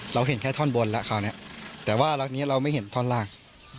เราเห็นแค่ท่อนบนแล้วคราวนี้แต่ว่ารักนี้เราไม่เห็นท่อนล่าง